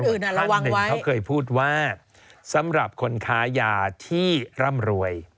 เพราะว่าตำรวจท่านหนึ่งเขาเคยพูดว่าสำหรับคนค้ายาที่ร่ำรวย